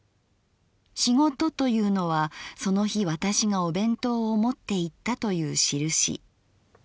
『仕事』というのはその日私がお弁当を持っていったというしるし。